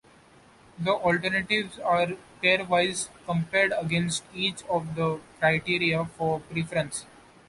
The alternatives are pairwise compared against each of the criteria for preference.